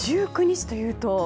１９日というと？